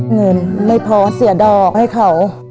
เงินไม่พอเสียดอกให้เขา